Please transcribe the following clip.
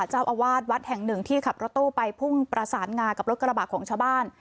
เจ้าอาวาสวัดแห่งหนึ่งที่ขับรถตู้ไปพุ่งประสานงากับรถกระบะของชาวบ้าน